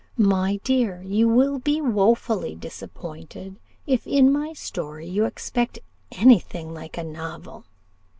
My dear, you will be woefully disappointed if in my story you expect any thing like a novel.